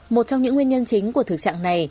một trong những nguyên nhân chính của thực trạng này